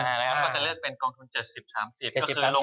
ก็จะเลือกเป็นกองทุน๗๐๓๐เปอร์เซ็นต์